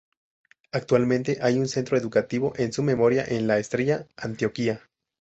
Actualmente hay un centro educativo en su memoria en La Estrella, Antioquia.